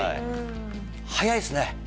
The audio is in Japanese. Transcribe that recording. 速いですね。